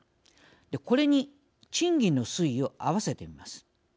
で、これに賃金の推移を合わせてみます。